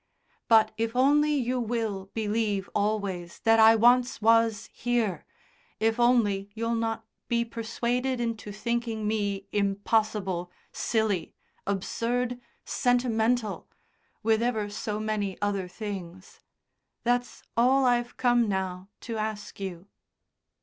But if only you will believe always that I once was here, if only you'll not be persuaded into thinking me impossible, silly, absurd, sentimental with ever so many other things that's all I've come now to ask you."